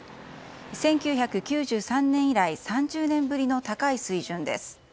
１９９３年以来３０年ぶりの高い水準です。